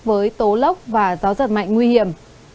với tố lốc và gió giật mạnh nguy hiểm